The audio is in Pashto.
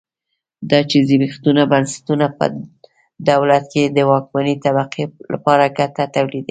دا چې زبېښونکي بنسټونه په دولت کې د واکمنې طبقې لپاره ګټه تولیدوي.